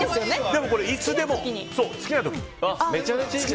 でもこれ、いつでも好きな時に。